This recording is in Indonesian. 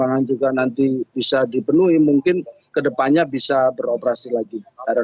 tambangan juga nanti bisa dipenuhi mungkin ke depannya bisa beroperasi lagi